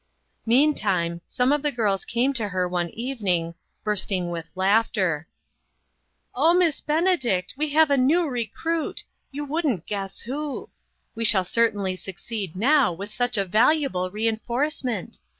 Meantime, some of the girls came to her one evening, bursting with laughter :" Oh, Miss Benedict, we have a new re cruit ! You couldn't guess who. We shall certainly succeed now, with such a valuable reinforcement.